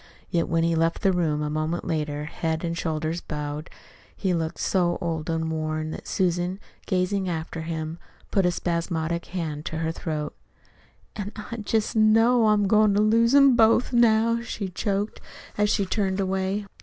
Yet when he left the room a moment later, head and shoulders bowed, he looked so old and worn that Susan, gazing after him, put a spasmodic hand to her throat. "An' I jest know I'm goin' to lose 'em both now," she choked as she turned away.